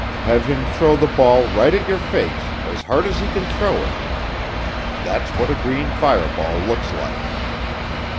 Have him throw the ball right at your face, as hard as he can throw it. That's what a green fireball looks like."